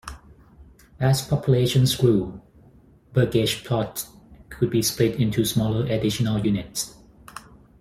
As populations grew, "burgage plots" could be split into smaller additional units.